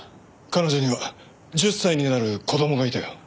彼女には１０歳になる子供がいたよ。